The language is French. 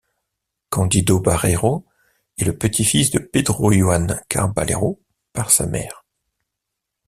Cándido Bareiro est le petit-fils de Pedro Juan Caballero par sa mère.